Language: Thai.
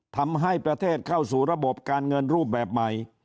ทำให้ประเทศเข้าสู่ระบบการเงินรูปแบบใหม่